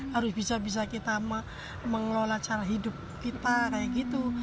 harus bisa bisa kita mengelola cara hidup kita kayak gitu